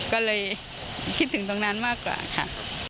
ก็เลยคิดถึงตรงนั้นมากกว่าค่ะ